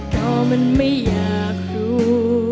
ก็มันไม่อยากรู้